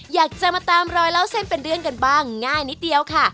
อยากจะมาตามรอยเล่าเส้นเป็นเรื่องกันบ้างง่ายนิดเดียวค่ะ